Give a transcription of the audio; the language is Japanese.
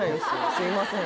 すいません